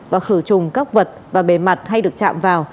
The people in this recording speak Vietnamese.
và khử trùng các vật và bề mặt hay được chạm vào